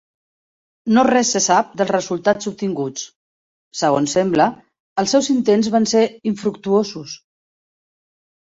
No res se sap dels resultats obtinguts; segons sembla, els seus intents van ser infructuosos.